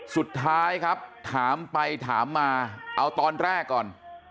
สุดท้ายครับถามไปถามมาเอาตอนแรกก่อน